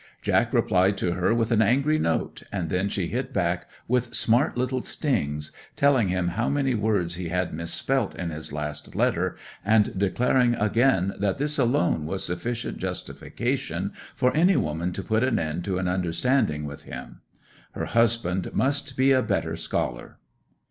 Jack replied to her with an angry note, and then she hit back with smart little stings, telling him how many words he had misspelt in his last letter, and declaring again that this alone was sufficient justification for any woman to put an end to an understanding with him. Her husband must be a better scholar.